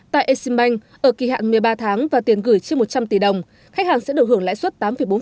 tại exim bank ở kỳ hạn một mươi ba tháng và tiền gửi trên một trăm linh tỷ đồng khách hàng sẽ được hưởng lãi suất tám bốn